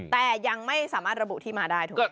แต่ยังไม่สามารถระบุที่มาได้ถูกไหม